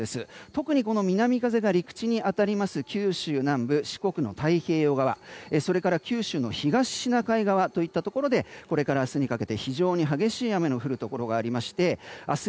特に南風が陸地に当たります九州南部四国の太平洋側それから九州の東シナ海側でこれから明日にかけて非常に激しい雨の降るところがありまして明日